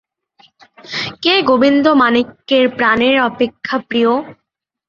কে গোবিন্দমাণিক্যের প্রাণের অপেক্ষা প্রিয়?